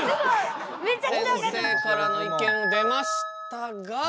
先生からの意見出ましたが。